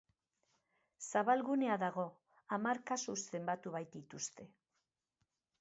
Zabalgunea dago, hamar kasu zenbatu baitituzte.